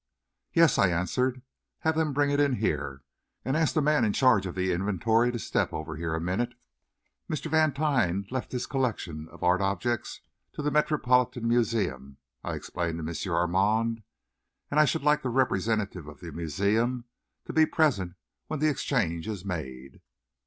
"Yes," I answered. "Have them bring it in here. And ask the man in charge of the inventory to step over here a minute. Mr. Vantine left his collection of art objects to the Metropolitan Museum," I explained to M. Armand, "and I should like the representative of the museum to be present when the exchange is made."